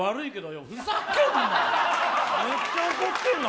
めっちゃ怒ってんな。